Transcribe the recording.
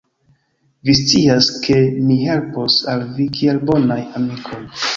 Vi scias, ke ni helpos al vi kiel bonaj amikoj.